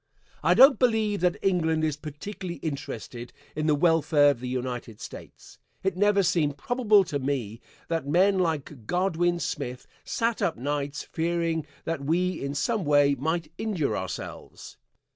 I don't believe that England is particularly interested in the welfare of the United States. It never seemed probable to me that men like Godwin Smith sat up nights fearing that we in some way might injure ourselves.